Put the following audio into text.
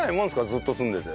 ずっと住んでて。